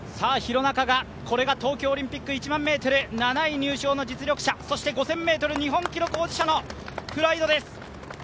廣中、東京オリンピック１００００ｍ７位入賞の実力者、そして５０００ｍ日本記録保持者のプライドです。